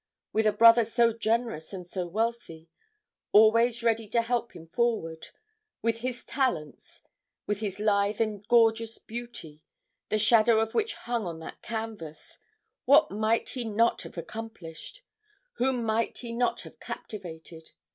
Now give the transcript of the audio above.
With a brother so generous and so wealthy, always ready to help him forward; with his talents; with his lithe and gorgeous beauty, the shadow of which hung on that canvas what might he not have accomplished? whom might he not have captivated?